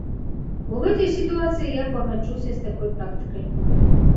У гэтай сітуацыі я пагаджуся з такой практыкай.